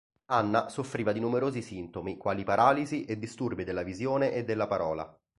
Anna soffriva di numerosi sintomi, quali paralisi e disturbi della visione e della parola.